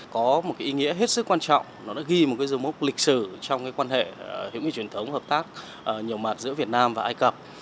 có một ý nghĩa hết sức quan trọng nó đã ghi một dấu mốc lịch sử trong quan hệ hữu nghị truyền thống hợp tác nhiều mặt giữa việt nam và ai cập